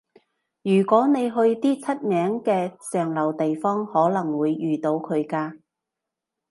如果你去啲出名嘅上流地方，可能會遇到佢㗎